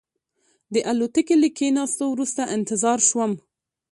د الوتکې له کېناستو وروسته انتظار شوم.